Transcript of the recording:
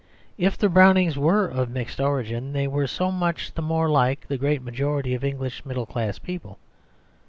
If the Brownings were of mixed origin, they were so much the more like the great majority of English middle class people.